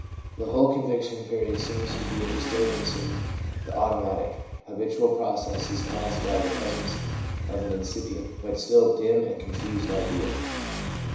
The whole conviction period seems to be a disturbance in the automatic, habitual processes caused by the presence of an incipient, but still dim and confused idea.